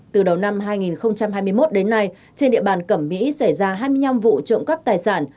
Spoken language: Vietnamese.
từ đầu năm hai nghìn hai mươi một đến nay trên địa bàn cẩm mỹ xảy ra hai mươi năm vụ trộm cắp tài sản